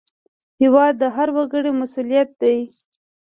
هېواد د هر وګړي مسوولیت دی